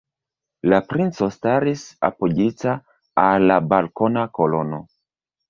La princo staris apogita al la balkona kolono.